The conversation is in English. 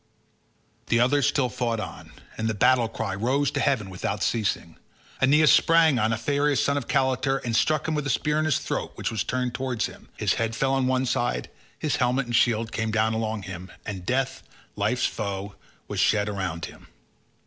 The others still fought on, and the battle cry rose to heaven without ceasing. Aeneas sprang on Aphareus son of Caletor, and struck him with a spear in his throat which was turned towards him; his head fell on one side, his helmet and shield came down along with him, and death, life's foe, was shed around him.